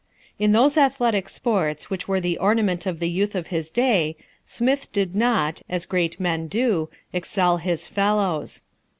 In those athletic sports which were the ornament of the youth of his day, Smith did not, as great men do, excel his fellows.